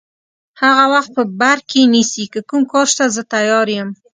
هغه وخت په بر کې نیسي، که کوم کار شته زه تیار یم.